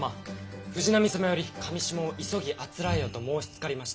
藤波様より裃を急ぎあつらえよと申しつかりました。